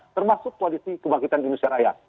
termasuk koalisi kebangkitan indonesia raya